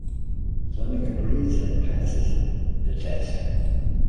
Fleming agrees and passes it (the test).